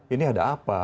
ini ada apa